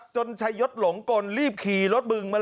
จนชายยศหลงกลรีบขี่รถบึง